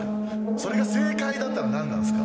それが正解だったら何なんすか？